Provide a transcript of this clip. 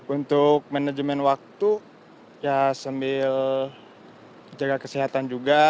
untuk manajemen waktu ya sambil jaga kesehatan juga